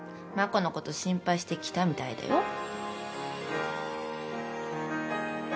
真子のこと心配して来たみたいだよ。